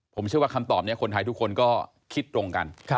ผมเชื่อว่าคำตอบนี้คนไทยทุกคนก็คิดตรงกัน